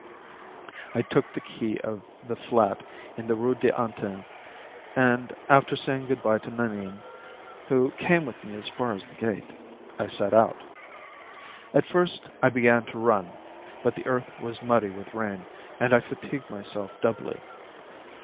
I took the key of the flat in the Rue d'Antin, and after saying good bye to Nanine, who came with me as far as the gate, I set out. At first I began to run, but the earth was muddy with rain, and I fatigued myself doubly.